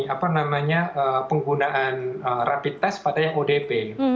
apa namanya penggunaan rapid test pada yang odp